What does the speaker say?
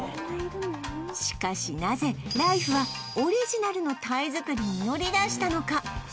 しかしなぜライフはオリジナルの鯛づくりに乗り出したのか？